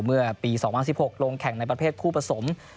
เมื่อปี๒๐๑๖ลงแข่งในประเภทคู่ผสม